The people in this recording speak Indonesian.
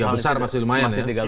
tiga besar masih lumayan